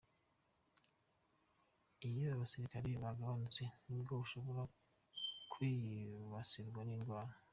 Iyo abasirikare bagabanutse, nibwo ushobora kwibasirwa n’indwara.